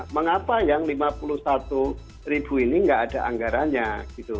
kenapa yang rp lima puluh satu ini nggak ada anggarannya gitu